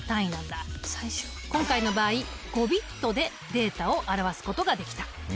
今回の場合５ｂｉｔでデータを表すことができた。